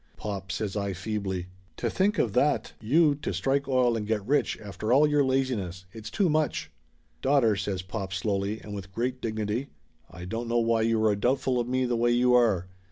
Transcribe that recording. "Pop!" says I feebly. "To think of that you to strike oil and get rich after all your laziness ! It's too much!" "Daughter," says pop slowly and with great dignity, "I don't know why you are doubtful of me the way you are